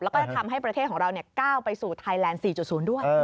แล้วก็จะทำให้ประเทศของเราก้าวไปสู่ไทยแลนด์๔๐ด้วย